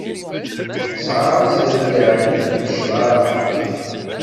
Yesɛa azref ad iɛeddi deg ccreɛ aḥeqqi.